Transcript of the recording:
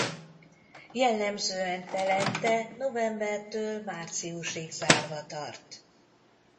Jellemzően telente novembertől márciusig zárva tart.